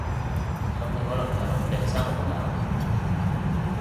噉你可能有暗病生黃疸？